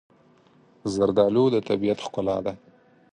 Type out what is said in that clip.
زردالو د طبیعت ښکلا ده.